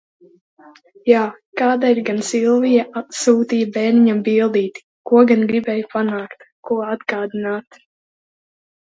Jā, kādēļ gan Silvija sūtīja bērniņa bildīti, ko gan gribēja panākt, ko atgādināt?